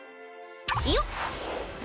よっ！